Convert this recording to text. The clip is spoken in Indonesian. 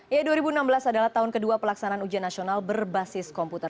ya dua ribu enam belas adalah tahun kedua pelaksanaan ujian nasional berbasis komputer